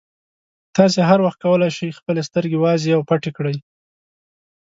تاسې هر وخت کولای شئ خپلې سترګې وازې او پټې کړئ.